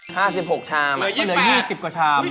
ห้าสิบหกชามอ่ะเหลือ๒๐กว่าชามอีก๘นิดหนึ่ง